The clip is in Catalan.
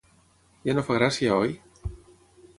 Ja no fa gràcia, oi?